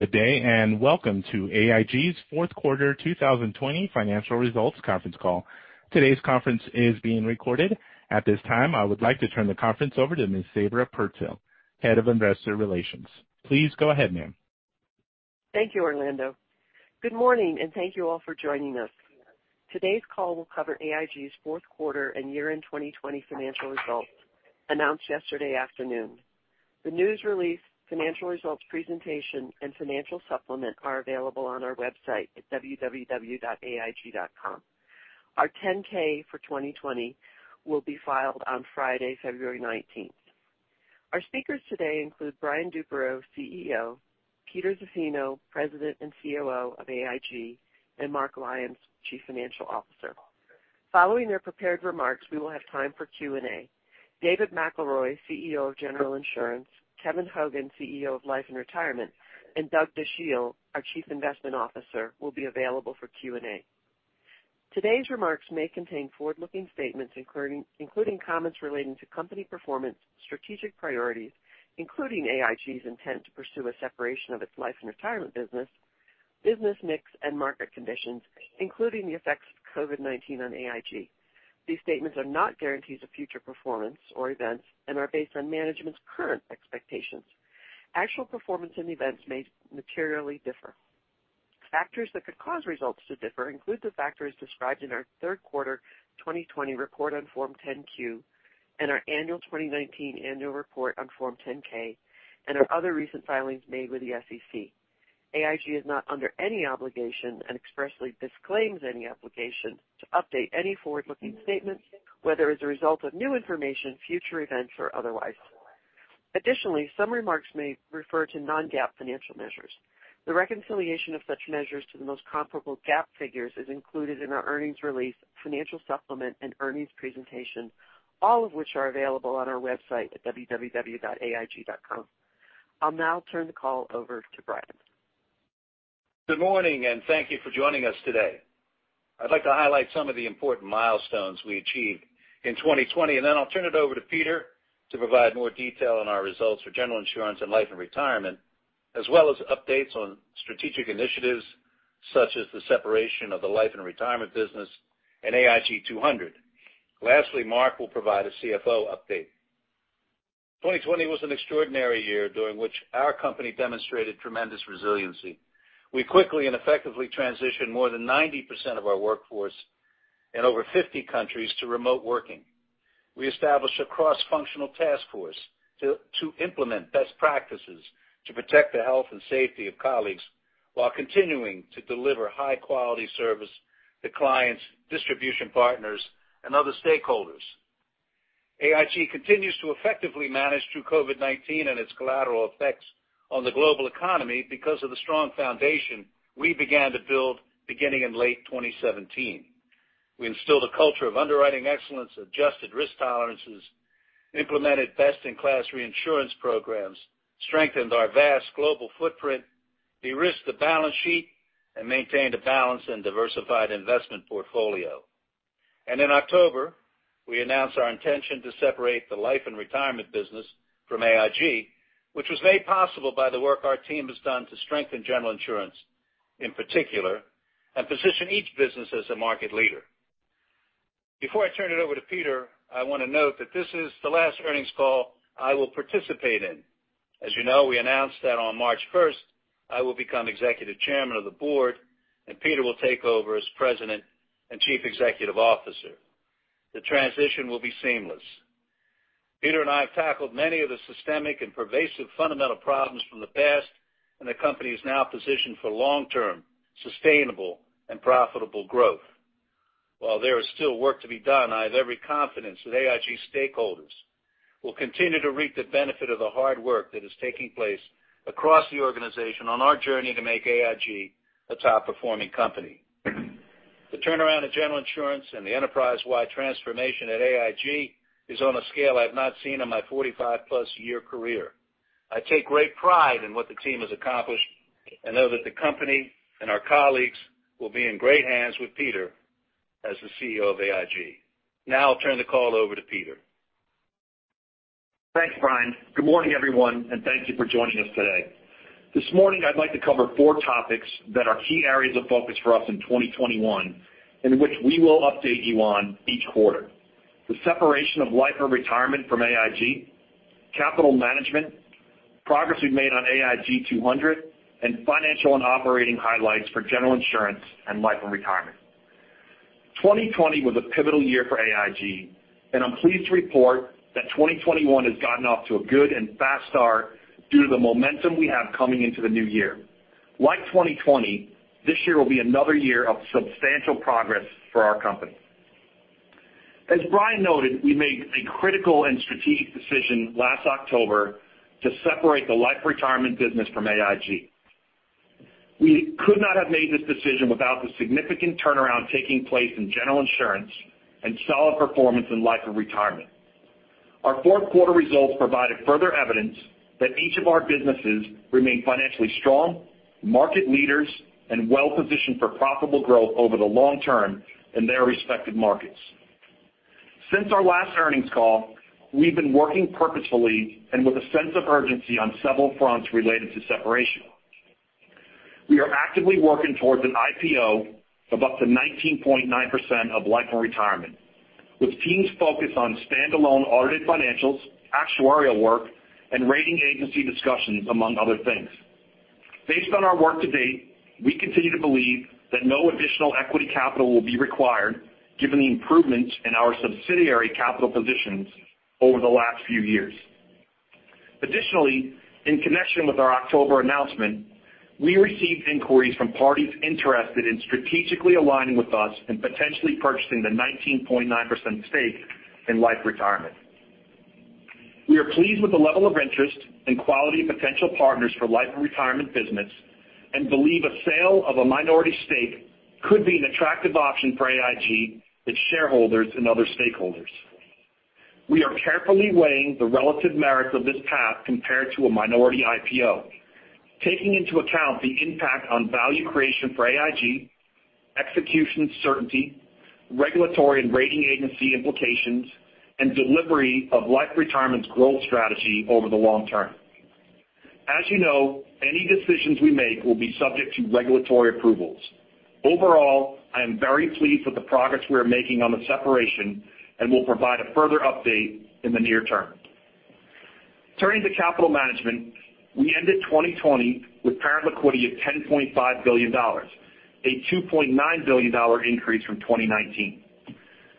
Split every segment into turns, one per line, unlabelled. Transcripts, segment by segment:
Good day, welcome to AIG's fourth 2020 financial results conference call. Today's conference is being recorded. At this time, I would like to turn the conference over to Ms. Sabra Purtill, Head of Investor Relations. Please go ahead, ma'am.
Thank you, Orlando. Good morning, and thank you all for joining us. Today's call will cover AIG's Q4 and -end 2020 financial results, announced yesterday afternoon. The news release, financial results presentation, and Financial Supplement are available on our website at www.aig.com. Our 10-K for 2020 will be filed on Friday, February 19th. Our speakers today include Brian Duperreault, CEO; Peter Zaffino, President and COO of AIG; and Mark Lyons, Chief Financial Officer. Following their prepared remarks, we will have time for Q&A. David McElroy, CEO of General Insurance, Kevin Hogan, CEO of Life & Retirement, and Doug Dachille, our Chief Investment Officer, will be available for Q&A. Today's remarks may contain forward-looking statements, including comments relating to company performance, strategic priorities, including AIG's intent to pursue a separation of its Life & Retirement business mix, and market conditions, including the effects of COVID-19 on AIG. These statements are not guarantees of future performance or events and are based on management's current expectations. Actual performance and events may materially differ. Factors that could cause results to differ include the factors described in our Q3 2020 report on Form 10-Q and our annual 2019 annual report on Form 10-K and our other recent filings made with the SEC. AIG is not under any obligation and expressly disclaims any obligation to update any forward-looking statements, whether as a result of new information, future events, or otherwise. Additionally, some remarks may refer to non-GAAP financial measures. The reconciliation of such measures to the most comparable GAAP figures is included in our earnings release, financial supplement and earnings presentation, all of which are available on our website at www.aig.com. I'll now turn the call over to Brian.
Good morning. Thank you for joining us today. I'd like to highlight some of the important milestones we achieved in 2020. Then I'll turn it over to Peter to provide more detail on our results for General Insurance and Life & Retirement, as well as updates on strategic initiatives such as the separation of the Life & Retirement business and AIG 200. Lastly, Mark will provide a CFO update. 2020 was an extraordinary year during which our company demonstrated tremendous resiliency. We quickly and effectively transitioned more than 90% of our workforce in over 50 countries to remote working. We established a cross-functional task force to implement best practices to protect the health and safety of colleagues while continuing to deliver high-quality service to clients, distribution partners, and other stakeholders. AIG continues to effectively manage through COVID-19 and its collateral effects on the global economy because of the strong foundation we began to build beginning in late 2017. We instilled a culture of underwriting excellence, adjusted risk tolerances, implemented best-in-class reinsurance programs, strengthened our vast global footprint, de-risked the balance sheet, and maintained a balanced and diversified investment portfolio. In October, we announced our intention to separate the Life & Retirement business from AIG, which was made possible by the work our team has done to strengthen General Insurance in particular and position each business as a market leader. Before I turn it over to Peter, I want to note that this is the last earnings call I will participate in. As you know, we announced that on March 1st, I will become executive chairman of the board, and Peter will take over as president and chief executive officer. The transition will be seamless. Peter and I have tackled many of the systemic and pervasive fundamental problems from the past, and the company is now positioned for long-term, sustainable, and profitable growth. While there is still work to be done, I have every confidence that AIG stakeholders will continue to reap the benefit of the hard work that is taking place across the organization on our journey to make AIG a top-performing company. The turnaround at General Insurance and the enterprise-wide transformation at AIG is on a scale I've not seen in my 45-plus-year career. I take great pride in what the team has accomplished and know that the company and our colleagues will be in great hands with Peter as the CEO of AIG. Now I'll turn the call over to Peter.
Thanks, Brian. Good morning, everyone. Thank you for joining us today. This morning, I'd like to cover four topics that are key areas of focus for us in 2021 and which we will update you on each quarter. The separation of Life & Retirement from AIG, capital management, progress we've made on AIG 200, and financial and operating highlights for General Insurance and Life & Retirement. 2020 was a pivotal year for AIG. I'm pleased to report that 2021 has gotten off to a good and fast start due to the momentum we have coming into the new year. Like 2020, this year will be another year of substantial progress for our company. As Brian noted, we made a critical and strategic decision last October to separate the Life & Retirement business from AIG. We could not have made this decision without the significant turnaround taking place in General Insurance and solid performance in Life & Retirement. Our Q4 results provided further evidence that each of our businesses remain financially strong, market leaders, and well-positioned for profitable growth over the long term in their respective markets. Since our last earnings call, we've been working purposefully and with a sense of urgency on several fronts related to separation. We are actively working towards an IPO of up to 19.9% of Life and Retirement, with teams focused on standalone audited financials, actuarial work, and rating agency discussions, among other things. Based on our work to date, we continue to believe that no additional equity capital will be required given the improvements in our subsidiary capital positions over the last few years. Additionally, in connection with our October announcement, we received inquiries from parties interested in strategically aligning with us and potentially purchasing the 19.9% stake in Life & Retirement. We are pleased with the level of interest and quality of potential partners for Life & Retirement business and believe a sale of a minority stake could be an attractive option for AIG, its shareholders, and other stakeholders. We are carefully weighing the relative merits of this path compared to a minority IPO, taking into account the impact on value creation for AIG, execution certainty, regulatory and rating agency implications, and delivery of Life & Retirement's growth strategy over the long term. As you know, any decisions we make will be subject to regulatory approvals. Overall, I am very pleased with the progress we are making on the separation, and will provide a further update in the near term. Turning to capital management, we ended 2020 with parent liquidity of $10.5 billion, a $2.9 billion increase from 2019.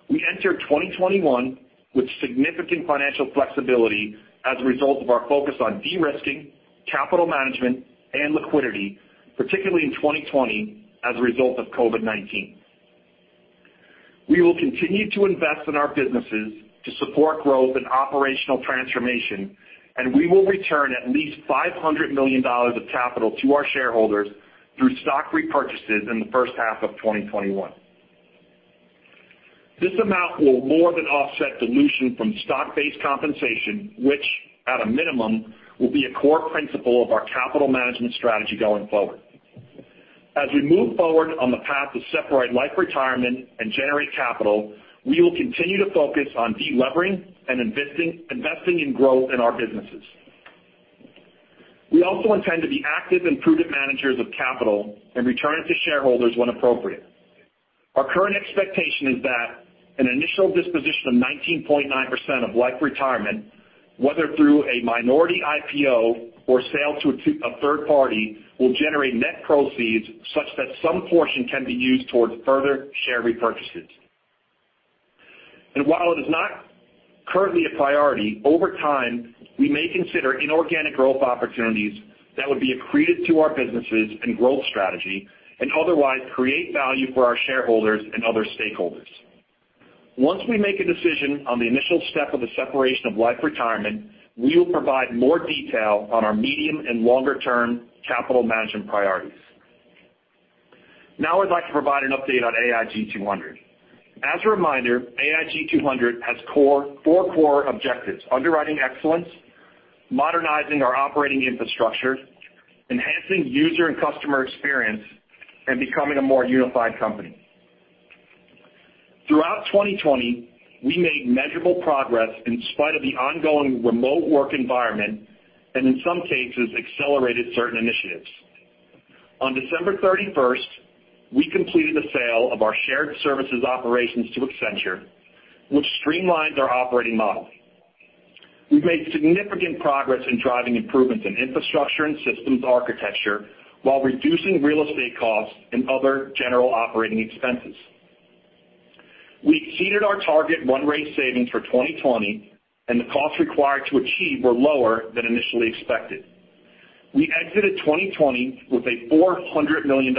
We entered 2021 with significant financial flexibility as a result of our focus on de-risking, capital management, and liquidity, particularly in 2020 as a result of COVID-19. We will continue to invest in our businesses to support growth and operational transformation. We will return at least $500 million of capital to our shareholders through stock repurchases in the first half of 2021. This amount will more than offset dilution from stock-based compensation, which at a minimum, will be a core principle of our capital management strategy going forward. As we move forward on the path to separate Life & Retirement and generate capital, we will continue to focus on de-levering and investing in growth in our businesses. We also intend to be active and prudent managers of capital and return it to shareholders when appropriate. Our current expectation is that an initial disposition of 19.9% of Life & Retirement, whether through a minority IPO or sale to a third party, will generate net proceeds such that some portion can be used towards further share repurchases. While it is not currently a priority, over time, we may consider inorganic growth opportunities that would be accretive to our businesses and growth strategy and otherwise create value for our shareholders and other stakeholders. Once we make a decision on the initial step of the separation of Life & Retirement, we will provide more detail on our medium and longer-term capital management priorities. Now I'd like to provide an update on AIG 200. As a reminder, AIG 200 has four core objectives: underwriting excellence, modernizing our operating infrastructure, enhancing user and customer experience, and becoming a more unified company. Throughout 2020, we made measurable progress in spite of the ongoing remote work environment, and in some cases, accelerated certain initiatives. On December 31st, we completed the sale of our shared services operations to Accenture, which streamlines our operating model. We've made significant progress in driving improvements in infrastructure and systems architecture while reducing real estate costs and other general operating expenses. We exceeded our target run rate savings for 2020, and the costs required to achieve were lower than initially expected. We exited 2020 with a $400 million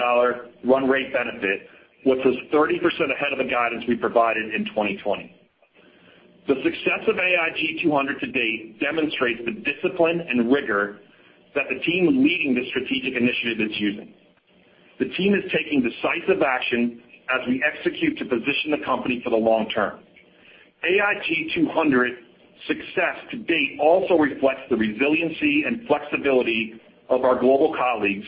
run rate benefit, which was 30% ahead of the guidance we provided in 2020. The success of AIG 200 to date demonstrates the discipline and rigor that the team leading this strategic initiative is using. The team is taking decisive action as we execute to position the company for the long term. AIG 200 success to date also reflects the resiliency and flexibility of our global colleagues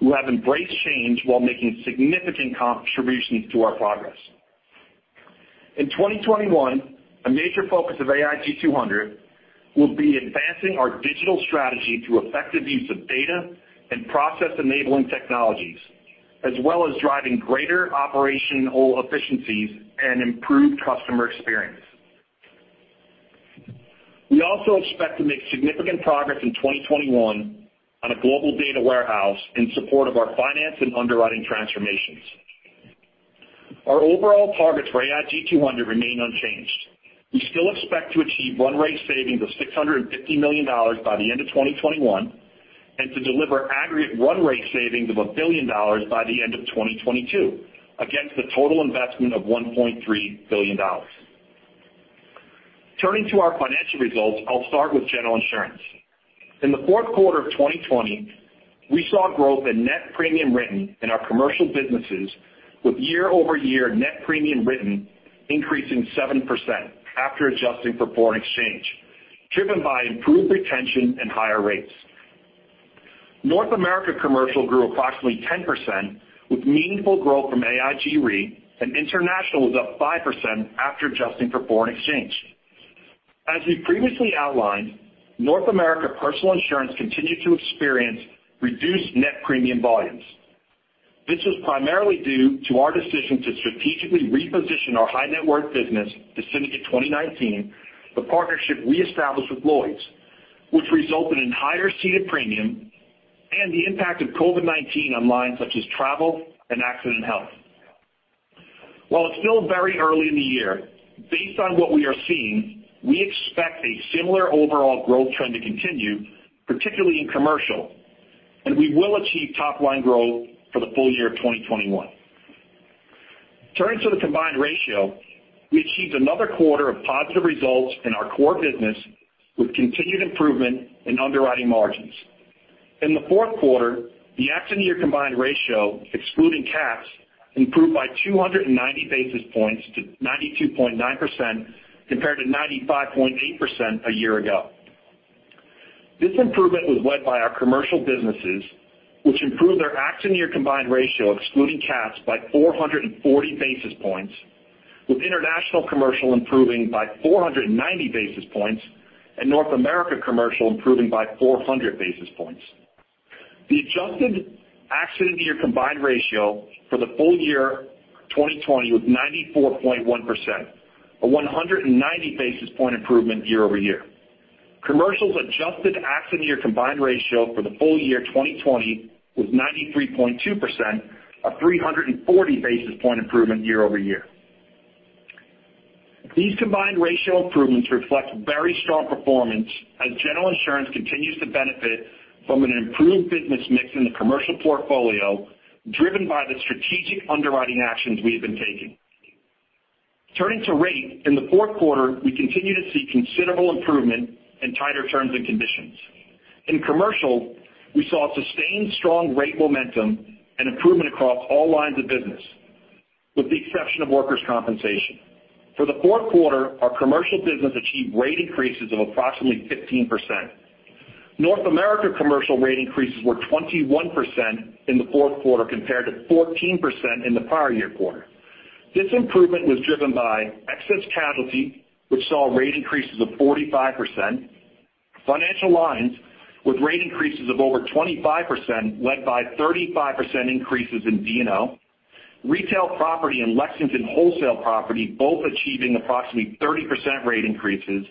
who have embraced change while making significant contributions to our progress. In 2021, a major focus of AIG 200 will be advancing our digital strategy through effective use of data and process-enabling technologies, as well as driving greater operational efficiencies and improved customer experience. We also expect to make significant progress in 2021 on a global data warehouse in support of our finance and underwriting transformations. Our overall targets for AIG 200 remain unchanged. We still expect to achieve run rate savings of $650 million by the end of 2021, and to deliver aggregate run rate savings of $1 billion by the end of 2022 against a total investment of $1.3 billion. Turning to our financial results, I'll start with General Insurance. In the Q4 of 2020, we saw growth in net premium written in our commercial businesses with year-over-year net premium written increasing 7% after adjusting for foreign exchange, driven by improved retention and higher rates. North America Commercial grew approximately 10%, with meaningful growth from AIG Re, International was up 5% after adjusting for foreign exchange. As we previously outlined, North America Personal Insurance continued to experience reduced net premium volumes. This was primarily due to our decision to strategically reposition our high-net-worth business to Syndicate 2019, the partnership we established with Lloyd's, which resulted in higher ceded premium and the impact of COVID-19 on lines such as travel and accident health. While it's still very early in the year, based on what we are seeing, we expect a similar overall growth trend to continue, particularly in commercial, and we will achieve top-line growth for the full year of 2021. Turning to the combined ratio, we achieved another quarter of positive results in our core business, with continued improvement in underwriting margins. In the Q4, the Accident Year Combined Ratio, excluding cats, improved by 290 basis points to 92.9%, compared to 95.8% a year ago. This improvement was led by our commercial businesses, which improved their Accident Year Combined Ratio, excluding cats, by 440 basis points, with International Commercial improving by 490 basis points and North America Commercial improving by 400 basis points. The Adjusted Accident Year Combined Ratio for the full year 2020 was 94.1%, a 190-basis-point improvement year-over-year. Commercial's Adjusted Accident Year Combined Ratio for the full year 2020 was 93.2%, a 340-basis-point improvement year-over-year. These combined ratio improvements reflect very strong performance as General Insurance continues to benefit from an improved business mix in the Commercial portfolio, driven by the strategic underwriting actions we have been taking. Turning to rate, in the Q4, we continued to see considerable improvement in tighter terms and conditions. In Commercial, we saw sustained strong rate momentum and improvement across all lines of business, with the exception of workers' compensation. For the Q4, our Commercial business achieved rate increases of approximately 15%. North America Commercial rate increases were 21% in the Q4 compared to 14% in the prior year quarter. This improvement was driven by excess casualty, which saw rate increases of 45%, financial lines with rate increases of over 25%, led by 35% increases in D&O, retail property and Lexington wholesale property both achieving approximately 30% rate increases,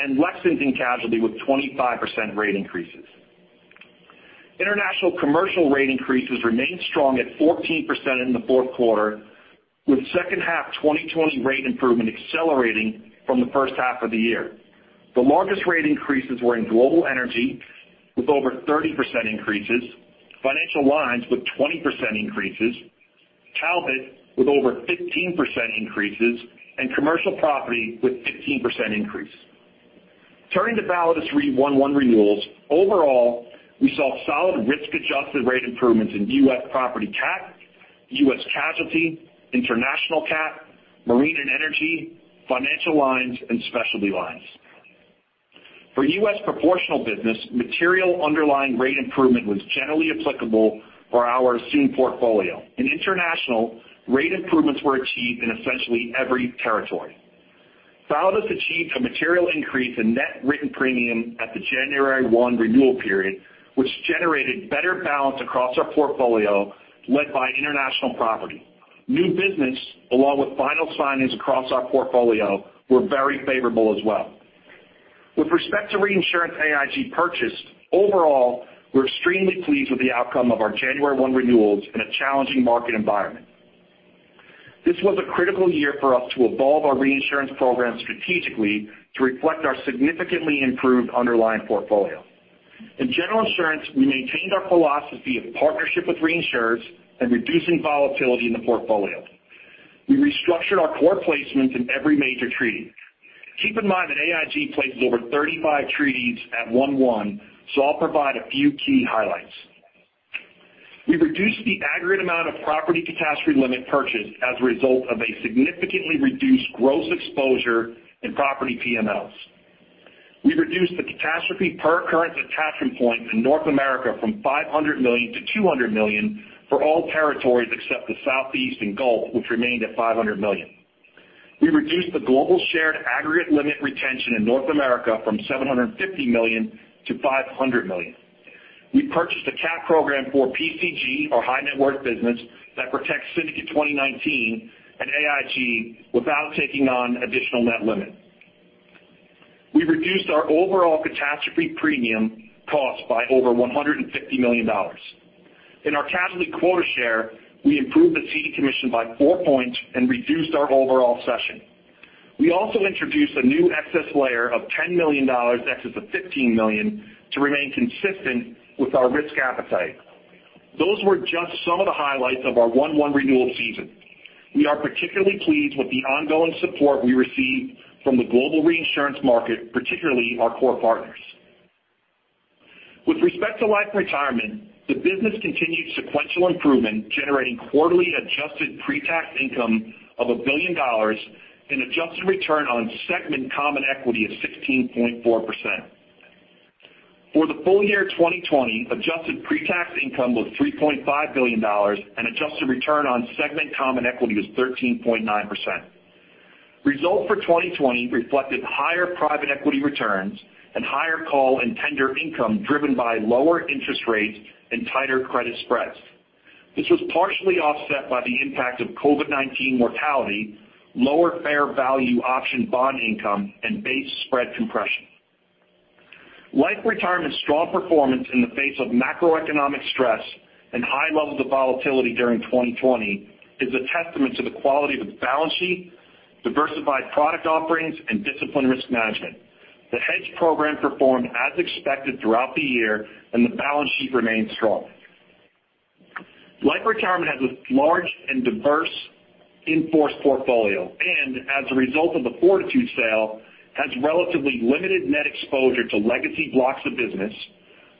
and Lexington Casualty with 25% rate increases. International Commercial rate increases remained strong at 14% in the Q4, with second half 2020 rate improvement accelerating from the first half of the year. The largest rate increases were in global energy with over 30% increases, financial lines with 20% increases, Talbot with over 15% increases, and commercial property with 15% increase. Turning to Validus Re 1/1 renewals, overall, we saw solid risk-adjusted rate improvements in U.S. property cat, U.S. casualty, international cat, marine and energy, financial lines, and specialty lines. For U.S. proportional business, material underlying rate improvement was generally applicable for our assumed portfolio. In international, rate improvements were achieved in essentially every territory. Validus achieved a material increase in net written premium at the January 1 renewal period, which generated better balance across our portfolio, led by international property. New business, along with final signings across our portfolio, were very favorable as well. With respect to reinsurance AIG purchased, overall, we're extremely pleased with the outcome of our January 1 renewals in a challenging market environment. This was a critical year for us to evolve our reinsurance program strategically to reflect our significantly improved underlying portfolio. In General Insurance, we maintained our philosophy of partnership with reinsurers and reducing volatility in the portfolio. We restructured our core placements in every major treaty. Keep in mind that AIG places over 35 treaties at 1/1, so I'll provide a few key highlights. We reduced the aggregate amount of property catastrophe limit purchased as a result of a significantly reduced gross exposure in property PMLs. We reduced the catastrophe per occurrence attachment point in North America from $500 million to $200 million for all territories except the Southeast and Gulf, which remained at $500 million. We reduced the global shared aggregate limit retention in North America from $750 million to $500 million. We purchased a cat program for PCG, our high-net-worth business, that protects Syndicate 2019 and AIG without taking on additional net limit. We reduced our overall catastrophe premium cost by over $150 million. In our casualty quota share, we improved the cede commission by four points and reduced our overall session. We also introduced a new excess layer of $10 million, excess of $15 million, to remain consistent with our risk appetite. Those were just some of the highlights of our 1/1 renewal season. We are particularly pleased with the ongoing support we received from the global reinsurance market, particularly our core partners. With respect to Life & Retirement, the business continued sequential improvement, generating quarterly adjusted pre-tax income of $1 billion, an adjusted return on segment common equity of 16.4%. For the full year 2020, adjusted pre-tax income was $3.5 billion and adjusted return on segment common equity was 13.9%. Results for 2020 reflected higher private equity returns and higher call and tender income driven by lower interest rates and tighter credit spreads. This was partially offset by the impact of COVID-19 mortality, lower fair value option bond income, and base spread compression. Life & Retirement's strong performance in the face of macroeconomic stress and high levels of volatility during 2020 is a testament to the quality of its balance sheet, diversified product offerings, and disciplined risk management. The hedge program performed as expected throughout the year, and the balance sheet remains strong. Life & Retirement has a large and diverse in-force portfolio and, as a result of the Fortitude sale, has relatively limited net exposure to legacy blocks of business,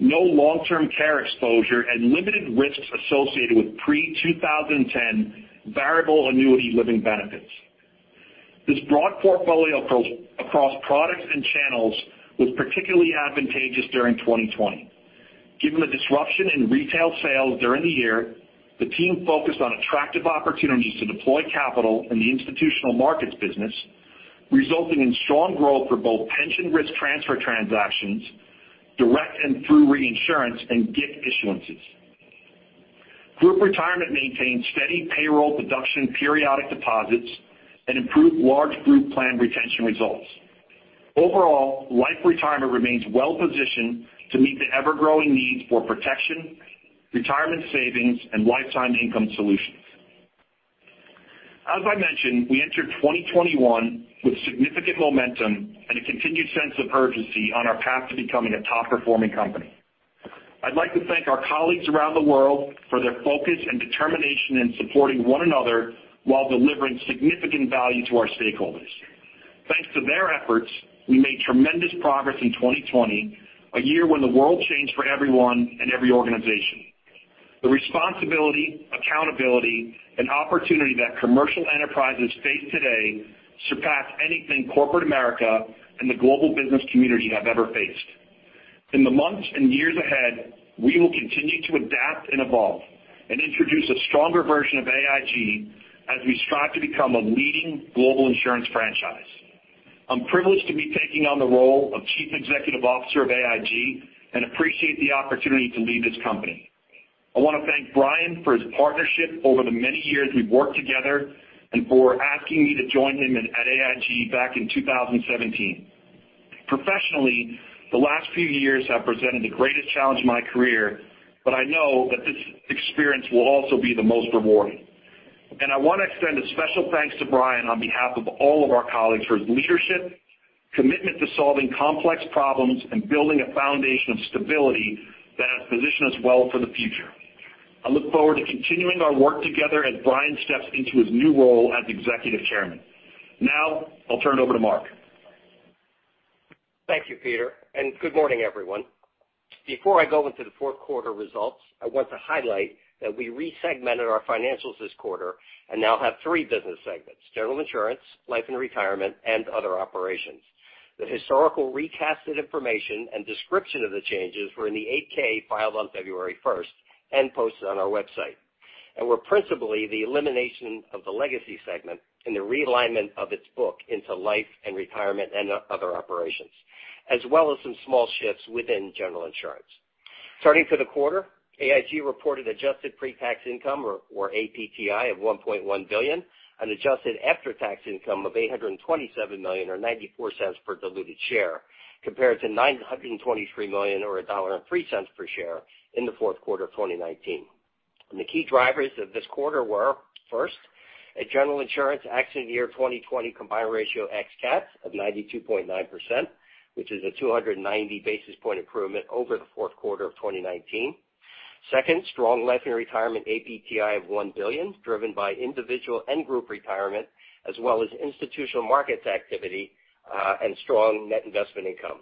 no long-term care exposure, and limited risks associated with pre-2010 variable annuity living benefits. This broad portfolio across products and channels was particularly advantageous during 2020. Given the disruption in retail sales during the year, the team focused on attractive opportunities to deploy capital in the institutional markets business, resulting in strong growth for both pension risk transfer transactions, direct and through reinsurance and GIC issuances. Group Retirement maintained steady payroll deduction, periodic deposits, and improved large group plan retention results. Overall, Life & Retirement remains well-positioned to meet the ever-growing need for protection, retirement savings, and lifetime income solutions. As I mentioned, we entered 2021 with significant momentum and a continued sense of urgency on our path to becoming a top-performing company. I'd like to thank our colleagues around the world for their focus and determination in supporting one another while delivering significant value to our stakeholders. Thanks to their efforts, we made tremendous progress in 2020, a year when the world changed for everyone and every organization. The responsibility, accountability, and opportunity that commercial enterprises face today surpass anything corporate America and the global business community have ever faced. In the months and years ahead, we will continue to adapt and evolve and introduce a stronger version of AIG as we strive to become a leading global insurance franchise. I'm privileged to be taking on the role of Chief Executive Officer of AIG and appreciate the opportunity to lead this company. I want to thank Brian for his partnership over the many years we've worked together and for asking me to join him at AIG back in 2017. Professionally, the last few years have presented the greatest challenge of my career. I know that this experience will also be the most rewarding. I want to extend a special thanks to Brian on behalf of all of our colleagues for his leadership, commitment to solving complex problems, and building a foundation of stability that has positioned us well for the future. I look forward to continuing our work together as Brian steps into his new role as Executive Chairman. I'll turn it over to Mark.
Thank you, Peter, and good morning, everyone. Before I go into the Q4 results, I want to highlight that we resegmented our financials this quarter and now have three business segments: General Insurance, Life and Retirement, and Other Operations. The historical recasted information and description of the changes were in the 8-K filed on February 1st and posted on our website, and were principally the elimination of the Legacy segment and the realignment of its book into Life and Retirement and Other Operations, as well as some small shifts within General Insurance. Turning to the quarter, AIG reported adjusted pre-tax income, or APTI, of $1.1 billion and adjusted after-tax income of $827 million, or $0.94 per diluted share, compared to $923 million, or $1.03 per share in the Q4 of 2019. The key drivers of this quarter were, first, a General Insurance accident year 2020 combined ratio ex cat of 92.9%, which is a 290-basis point improvement over the Q4 of 2019. Second, strong Life and Retirement APTI of $1 billion, driven by individual and Group Retirement, as well as institutional markets activity, and strong net investment income.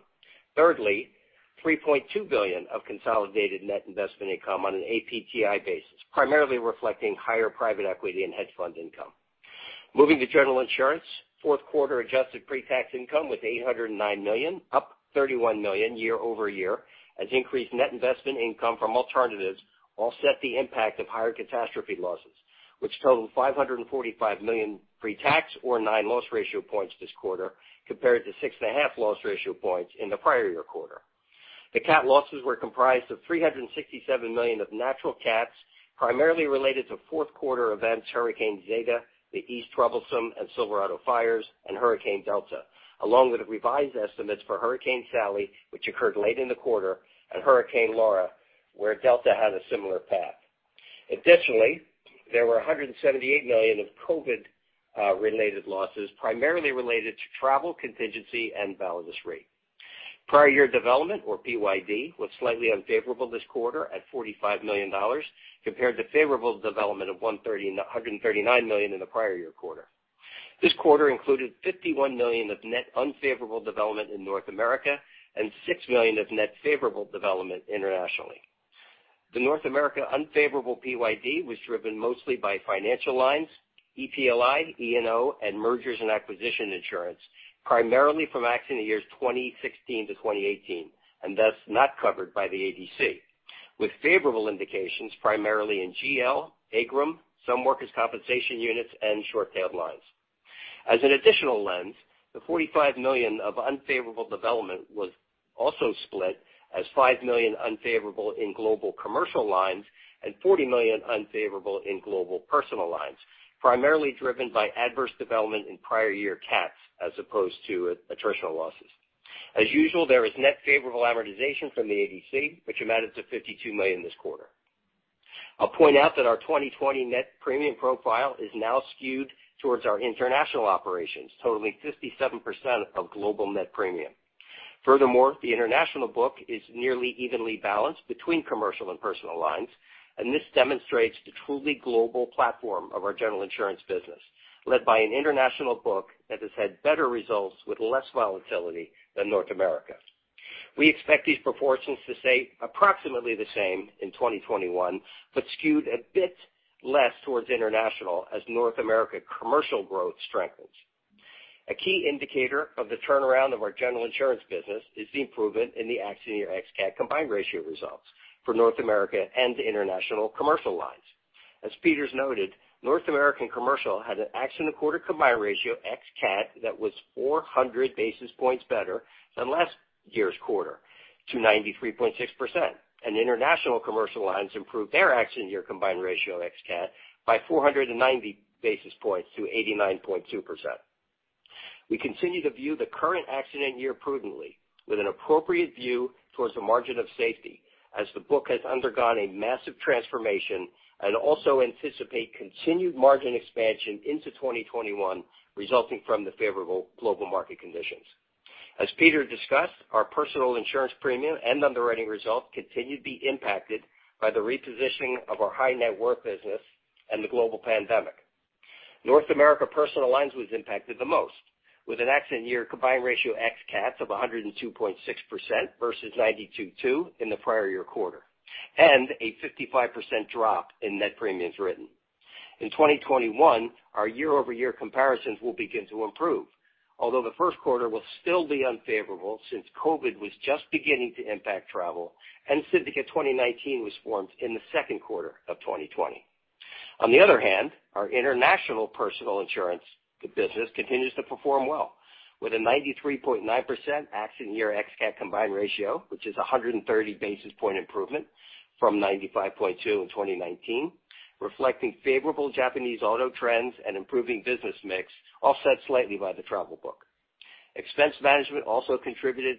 Thirdly, $3.2 billion of consolidated net investment income on an APTI basis, primarily reflecting higher private equity and hedge fund income. Moving to General Insurance, Q4 adjusted pre-tax income was $809 million, up $31 million year-over-year, as increased net investment income from alternatives offset the impact of higher catastrophe losses, which totaled $545 million pre-tax or 9 loss ratio points this quarter, compared to 6.5 loss ratio points in the prior year quarter. The cat losses were comprised of $367 million of natural cats, primarily related to Q4 events Hurricane Zeta, the East Troublesome and Silverado fires, and Hurricane Delta, along with revised estimates for Hurricane Sally, which occurred late in the quarter, and Hurricane Laura, where Delta had a similar path. Additionally, there were $178 million of COVID-related losses, primarily related to travel contingency and balance rate. Prior year development, or PYD, was slightly unfavorable this quarter at $45 million compared to favorable development of $139 million in the prior year quarter. This quarter included $51 million of net unfavorable development in North America and $6 million of net favorable development internationally. The North America unfavorable PYD was driven mostly by financial lines, EPLI, E&O, and mergers and acquisition insurance, primarily from accident years 2016-2018, and thus not covered by the ADC. With favorable indications primarily in GL, AIGRM, some workers' compensation units, and short-tailed lines. As an additional lens, the $45 million of unfavorable development was also split as $5 million unfavorable in global commercial lines and $40 million unfavorable in global personal lines, primarily driven by adverse development in prior year cats as opposed to attritional losses. As usual, there is net favorable amortization from the ADC, which amounted to $52 million this quarter. I'll point out that our 2020 net premium profile is now skewed towards our international operations, totaling 57% of global net premium. Furthermore, the international book is nearly evenly balanced between commercial and personal lines, this demonstrates the truly global platform of our General Insurance business, led by an international book that has had better results with less volatility than North America. We expect these proportions to stay approximately the same in 2021, skewed a bit less towards International Commercial as North America Commercial growth strengthens. A key indicator of the turnaround of our General Insurance business is the improvement in the accident year ex-cat combined ratio results for North America Commercial and International Commercial lines. Peter's noted, North America Commercial had an accident quarter combined ratio ex-cat that was 400 basis points better than last year's quarter to 93.6%, and International Commercial lines improved their accident year combined ratio ex-cat by 490 basis points to 89.2%. We continue to view the current accident year prudently with an appropriate view towards the margin of safety as the book has undergone a massive transformation and also anticipate continued margin expansion into 2021 resulting from the favorable global market conditions. As Peter discussed, our personal insurance premium and underwriting results continue to be impacted by the repositioning of our high net worth business and the global pandemic. North America Personal Insurance was impacted the most, with an accident year combined ratio ex-CATs of 102.6% versus 92.2% in the prior year quarter, and a 55% drop in net premiums written. In 2021, our year-over-year comparisons will begin to improve, although the Q1 will still be unfavorable since COVID-19 was just beginning to impact travel and Syndicate 2019 was formed in the Q2 of 2020. On the other hand, our international personal insurance business continues to perform well with a 93.9% accident year ex-CAT combined ratio, which is 130 basis points improvement from 95.2% in 2019, reflecting favorable Japanese auto trends and improving business mix, offset slightly by the travel book. Expense management also contributed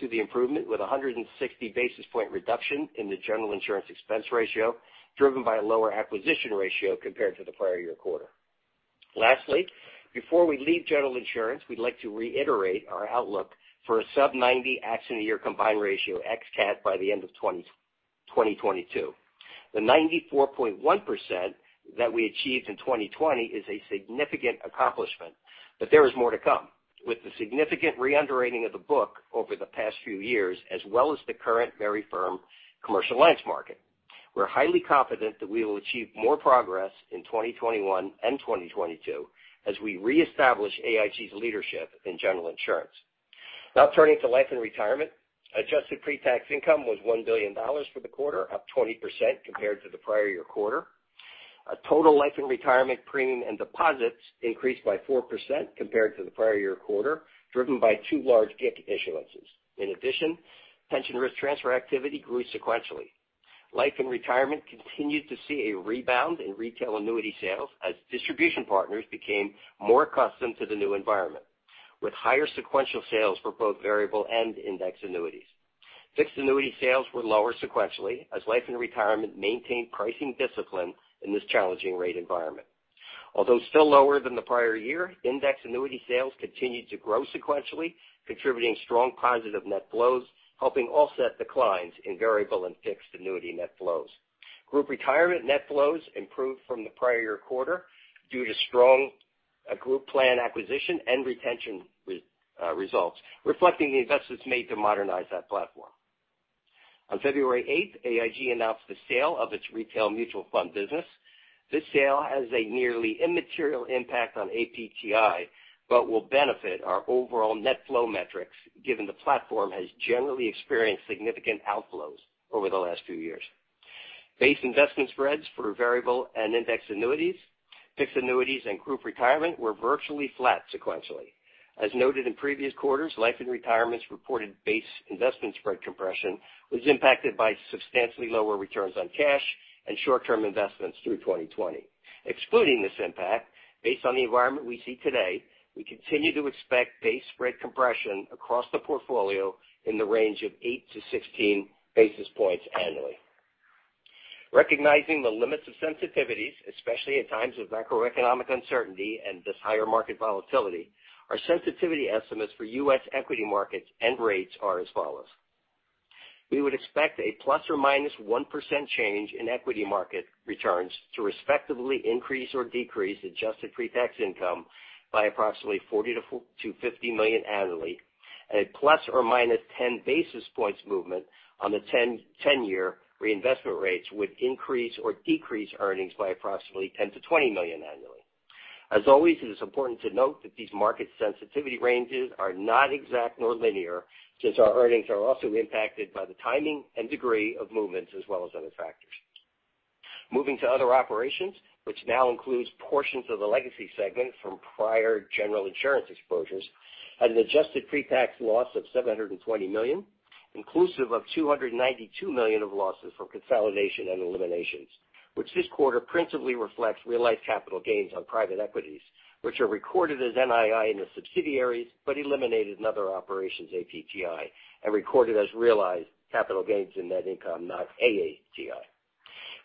to the improvement with 160 basis point reduction in the General Insurance expense ratio, driven by a lower acquisition ratio compared to the prior year quarter. Lastly, before we leave General Insurance, we'd like to reiterate our outlook for a sub 90 Accident Year Combined Ratio ex-cat by the end of 2022. The 94.1% that we achieved in 2020 is a significant accomplishment, but there is more to come with the significant re-underwriting of the book over the past few years, as well as the current very firm commercial lines market. We're highly confident that we will achieve more progress in 2021 and 2022 as we reestablish AIG's leadership in General Insurance. Turning to Life & Retirement. Adjusted pre-tax income was $1 billion for the quarter, up 20% compared to the prior year quarter. A total Life & Retirement premium and deposits increased by 4% compared to the prior year quarter, driven by two large GIC issuances. In addition, pension risk transfer activity grew sequentially. Life & Retirement continued to see a rebound in retail annuity sales as distribution partners became more accustomed to the new environment, with higher sequential sales for both variable and index annuities. Fixed annuity sales were lower sequentially as Life & Retirement maintained pricing discipline in this challenging rate environment. Although still lower than the prior year, index annuity sales continued to grow sequentially, contributing strong positive net flows, helping offset declines in variable and fixed annuity net flows. Group Retirement net flows improved from the prior year quarter due to strong group plan acquisition and retention results, reflecting the investments made to modernize that platform. On February 8th, AIG announced the sale of its retail mutual fund business. This sale has a nearly immaterial impact on APTI, but will benefit our overall net flow metrics given the platform has generally experienced significant outflows over the last few years. Base investment spreads for variable and index annuities, fixed annuities, and Group Retirement were virtually flat sequentially. As noted in previous quarters, Life & Retirement's reported base investment spread compression was impacted by substantially lower returns on cash and short-term investments through 2020. Excluding this impact, based on the environment we see today, we continue to expect base spread compression across the portfolio in the range of 8 to 16 basis points annually. Recognizing the limits of sensitivities, especially at times of macroeconomic uncertainty and this higher market volatility, our sensitivity estimates for U.S. equity markets and rates are as follows. We would expect a ±1% change in equity market returns to respectively increase or decrease Adjusted Pre-Tax Income by approximately $40 million-$50 million annually. A ±10 basis points movement on the 10-year reinvestment rates would increase or decrease earnings by approximately $10 million-$20 million annually. As always, it is important to note that these market sensitivity ranges are not exact nor linear, since our earnings are also impacted by the timing and degree of movements as well as other factors. Moving to Other Operations, which now includes portions of the Legacy segment from prior General Insurance exposures at an adjusted pre-tax loss of $720 million, inclusive of $292 million of losses from consolidation and eliminations, which this quarter principally reflects realized capital gains on private equities, which are recorded as NII in the subsidiaries, but eliminated in Other Operations APTI and recorded as realized capital gains in net income, not AATI.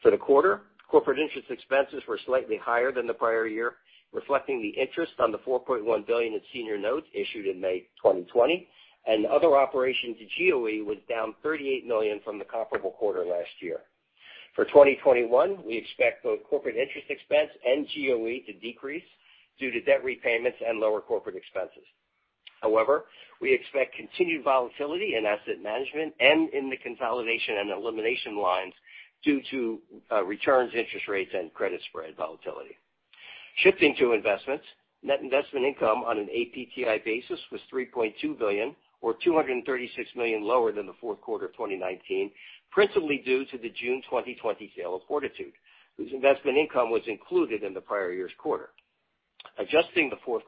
For the quarter, corporate interest expenses were slightly higher than the prior year, reflecting the interest on the $4.1 billion in senior notes issued in May 2020, and Other Operations GOE was down $38 million from the comparable quarter last year. For 2021, we expect both corporate interest expense and GOE to decrease due to debt repayments and lower corporate expenses. However, we expect continued volatility in asset management and in the consolidation and elimination lines due to returns, interest rates, and credit spread volatility. Shifting to investments. Net investment income on an APTI basis was $3.2 billion, or $236 million lower than the Q4 of 2019, principally due to the June 2020 sale of Fortitude, whose investment income was included in the prior year's quarter. Adjusting the Q4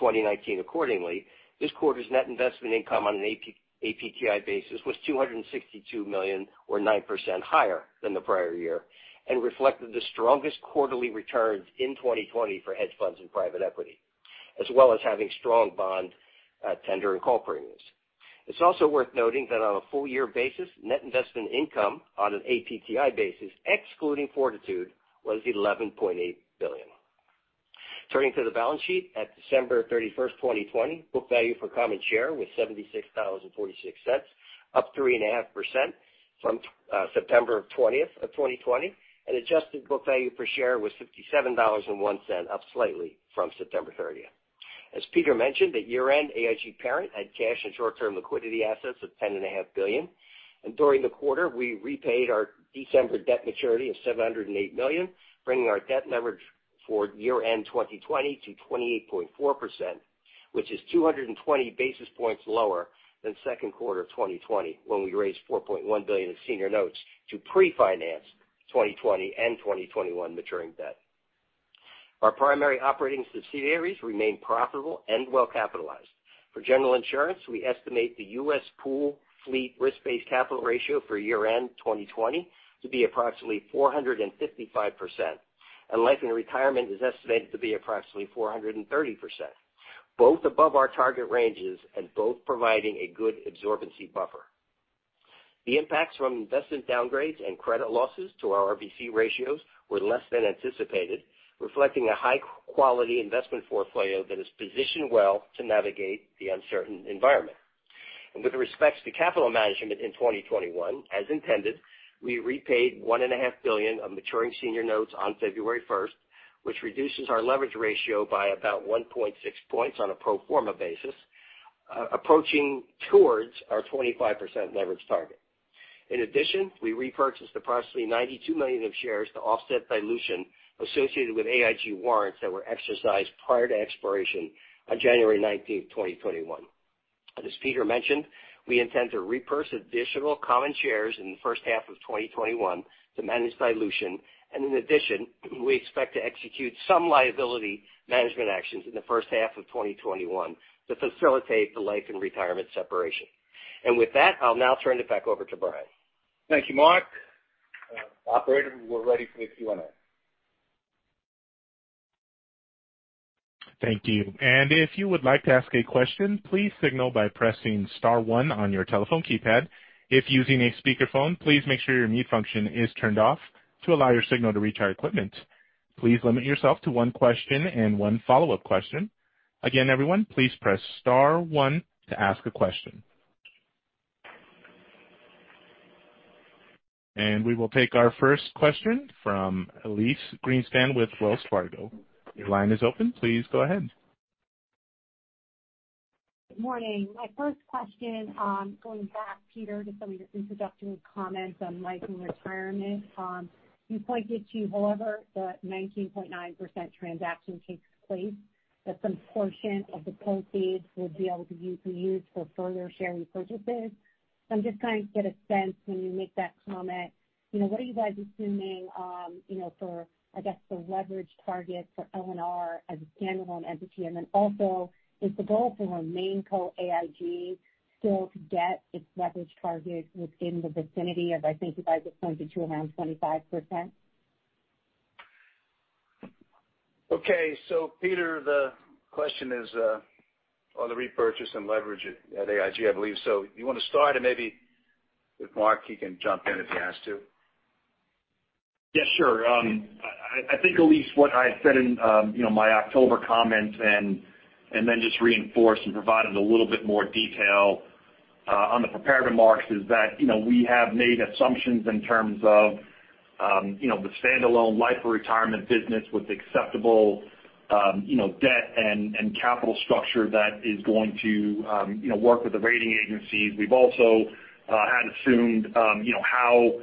2019 accordingly, this quarter's net investment income on an APTI basis was $262 million or 9% higher than the prior year and reflected the strongest quarterly returns in 2020 for hedge funds and private equity, as well as having strong bond tender and call premiums. It's also worth noting that on a full year basis, net investment income on an APTI basis, excluding Fortitude, was $11.8 billion. Turning to the balance sheet at December 31st, 2020, book value for common share was $76.46, up 3.5% from September 30th of 2020, and adjusted book value per share was $57.01, up slightly from September 30th. As Peter mentioned, at year-end, AIG parent had cash and short-term liquidity assets of $10.5 billion, and during the quarter, we repaid our December debt maturity of $708 million, bringing our debt leverage for year-end 2020 to 28.4%, which is 220 basis points lower than Q2 2020 when we raised $4.1 billion in senior notes to pre-finance 2020 and 2021 maturing debt. Our primary operating subsidiaries remain profitable and well-capitalized. For General Insurance, we estimate the U.S. pool fleet risk-based capital ratio for year-end 2020 to be approximately 455%, and Life & Retirement is estimated to be approximately 430%, both above our target ranges and both providing a good absorbency buffer. The impacts from investment downgrades and credit losses to our RBC ratios were less than anticipated, reflecting a high-quality investment portfolio that is positioned well to navigate the uncertain environment. With respects to capital management in 2021, as intended, we repaid $1.5 billion of maturing senior notes on February 1st, which reduces our leverage ratio by about 1.6 points on a pro forma basis, approaching towards our 25% leverage target. In addition, we repurchased approximately $92 million of shares to offset dilution associated with AIG warrants that were exercised prior to expiration on January 19th, 2021. As Peter mentioned, we intend to repurchase additional common shares in the first half of 2021 to manage dilution, in addition, we expect to execute some liability management actions in the first half of 2021 to facilitate the Life & Retirement separation. With that, I'll now turn it back over to Brian.
Thank you, Mark. Operator, we're ready for the Q&A.
Thank you. If you would like to ask a question, please signal by pressing *1 on your telephone keypad. If using a speakerphone, please make sure your mute function is turned off to allow your signal to reach our equipment. Please limit yourself to one question and one follow-up question. Everyone, please press *1 to ask a question. We will take our first question from Elyse Greenspan with Wells Fargo. Your line is open. Please go ahead.
Good morning. My first question, going back, Peter, to some of your introductory comments on Life & Retirement. You pointed to however the 19.9% transaction takes place, that some portion of the proceeds will be able to be used for further share repurchases. I'm just trying to get a sense when you make that comment, what are you guys assuming for, I guess, the leverage target for L&R as a stand-alone entity? Then also, is the goal for RemainCo AIG still to get its leverage target within the vicinity of, I think you guys have pointed to around 25%?
Okay. Peter, the question is on the repurchase and leverage at AIG, I believe so. You want to start and maybe if Mark, he can jump in if he has to.
Yes, sure. I think, Elyse, what I said in my October comments and then just reinforced and provided a little bit more detail. On the prepared remarks is that we have made assumptions in terms of the standalone Life & Retirement business with acceptable debt and capital structure that is going to work with the rating agencies. We've also had assumed how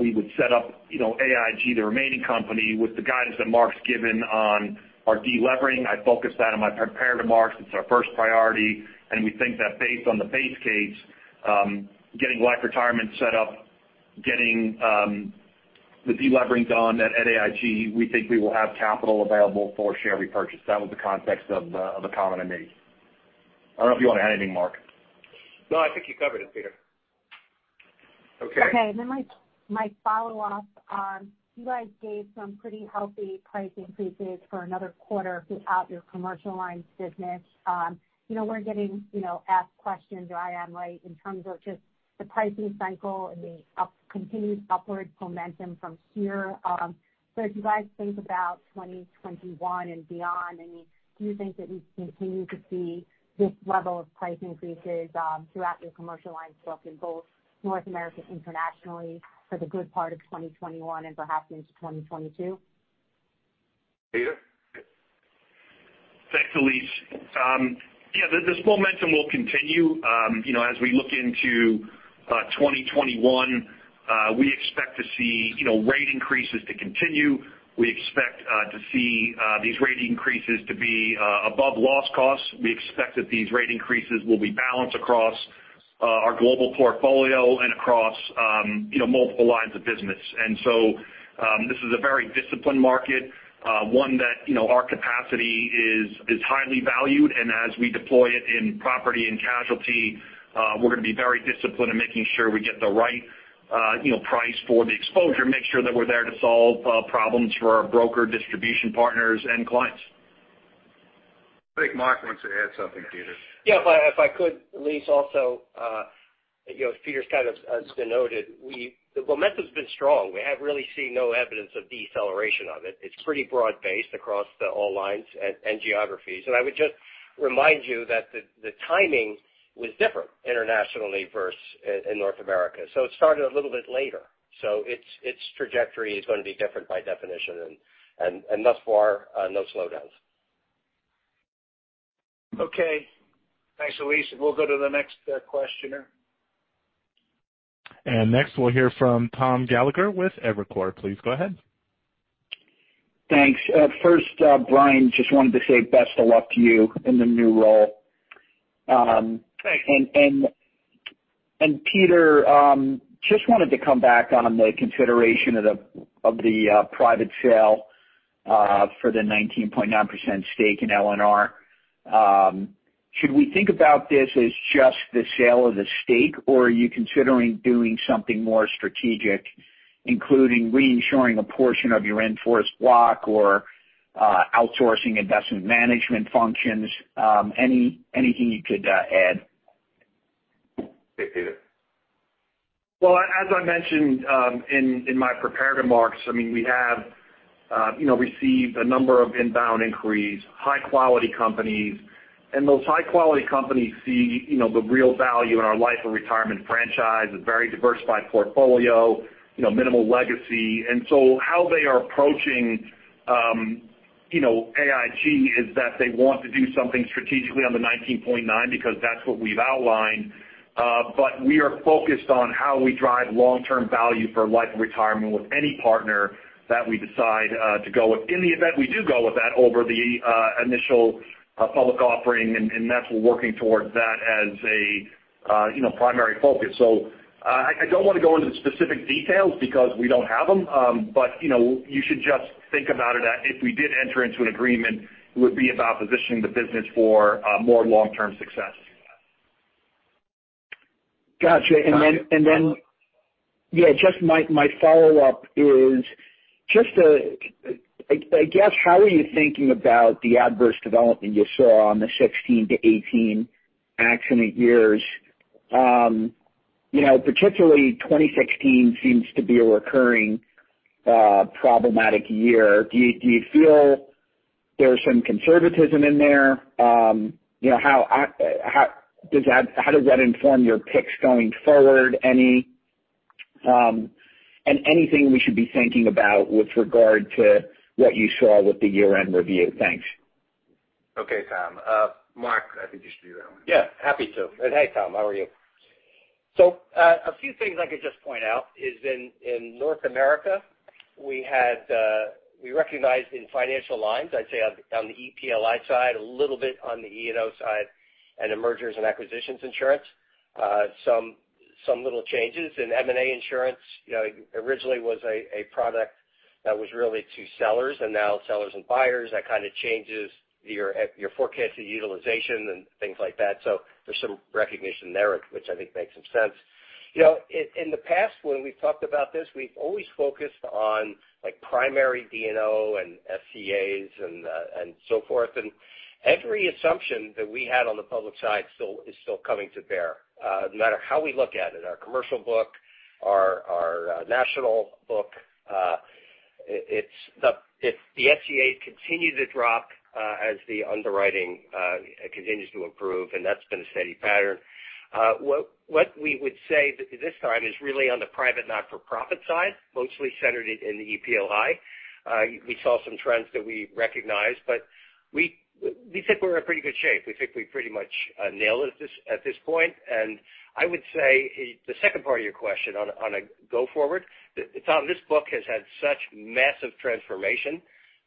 we would set up AIG, the remaining company, with the guidance that Mark's given on our de-levering. I focused that on my prepared remarks. It's our first priority, and we think that based on the base case, getting Life & Retirement set up, getting the de-levering done at AIG, we think we will have capital available for share repurchase. That was the context of the comment I made. I don't know if you want to add anything, Mark.
No, I think you covered it, Peter.
Okay.
My follow-up on, you guys gave some pretty healthy price increases for another quarter throughout your commercial lines business. We're getting asked questions, or I am, in terms of just the pricing cycle and the continued upward momentum from here. As you guys think about 2021 and beyond, do you think that we continue to see this level of price increases throughout your commercial lines book in both North America, internationally for the good part of 2021 and perhaps into 2022?
Peter?
Thanks, Elyse. Yeah, this momentum will continue. As we look into 2021, we expect to see rate increases to continue. We expect to see these rate increases to be above loss costs. We expect that these rate increases will be balanced across our global portfolio and across multiple lines of business. This is a very disciplined market, one that our capacity is highly valued, and as we deploy it in property and casualty, we're going to be very disciplined in making sure we get the right price for the exposure, make sure that we're there to solve problems for our broker distribution partners and clients.
I think Mark wants to add something, Peter.
Yeah, if I could, Elyse, also, as Peter's kind of has denoted, the momentum's been strong. We have really seen no evidence of deceleration of it. It's pretty broad-based across all lines and geographies. I would just remind you that the timing was different internationally versus in North America. It started a little bit later. Its trajectory is going to be different by definition, and thus far, no slowdowns.
Okay. Thanks, Elyse. We'll go to the next questioner.
Next we'll hear from Tom Gallagher with. Please go ahead.
Thanks. First, Brian, just wanted to say best of luck to you in the new role.
Thanks.
Peter, just wanted to come back on the consideration of the private sale for the 19.9% stake in L&R. Should we think about this as just the sale of the stake, or are you considering doing something more strategic, including reinsuring a portion of your in-force block or outsourcing investment management functions? Anything you could add?
Okay, Peter.
Well, as I mentioned in my prepared remarks, we have received a number of inbound inquiries, high-quality companies, and those high-quality companies see the real value in our Life & Retirement franchise. It's very diversified portfolio, minimal legacy. How they are approaching AIG is that they want to do something strategically on the 19.9 because that's what we've outlined. We are focused on how we drive long-term value for Life & Retirement with any partner that we decide to go with in the event we do go with that over the initial public offering, and that's we're working towards that as a primary focus. I don't want to go into specific details because we don't have them. You should just think about it if we did enter into an agreement, it would be about positioning the business for more long-term success.
Got you. Yeah, my follow-up is I guess how are you thinking about the adverse development you saw on the 2016 to 2018 accident years? Particularly 2016 seems to be a recurring problematic year. Do you feel there's some conservatism in there? How does that inform your picks going forward? Anything we should be thinking about with regard to what you saw with the year-end review? Thanks.
Okay, Tom. Mark, I think you should do that one.
Yeah, happy to. Hey, Tom, how are you? A few things I could just point out is in North America, we recognized in financial lines, I'd say on the EPLI side, a little bit on the E&O side, and in mergers and acquisitions insurance some little changes in M&A insurance. Originally was a product that was really to sellers and now sellers and buyers. That kind of changes your forecasted utilization and things like that. There's some recognition there, which I think makes some sense. In the past, when we've talked about this, we've always focused on primary D&O and FCAs and so forth. Every assumption that we had on the public side is still coming to bear no matter how we look at it, our commercial book, our national book. The FCA continues to drop as the underwriting continues to improve, and that's been a steady pattern. What we would say this time is really on the private not-for-profit side, mostly centered in the EPLI. We saw some trends that we recognize, but we think we're in pretty good shape. We think we pretty much nailed it at this point. I would say the second part of your question on a go forward, Tom, this book has had such massive transformation